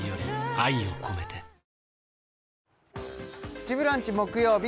「プチブランチ」木曜日